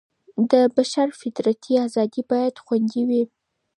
د بشر فطرتي ازادي بايد خوندي وي.